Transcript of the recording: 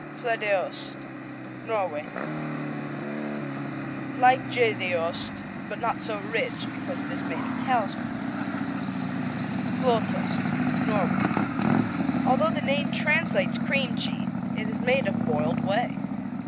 Floedeost Norway Like Gjedeost, but not so rich because it's made of cow's milk. Fløtost Norway Although the name translates Cream Cheese it is made of boiled whey.